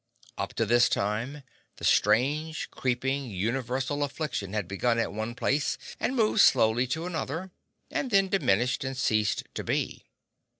Up to this time the strange, creeping, universal affliction had begun at one place, and moved slowly to another, and then diminished and ceased to be.